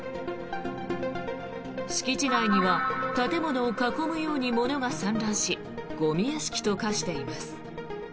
敷地内には建物を囲むように物が散乱しゴミ屋敷と化しています。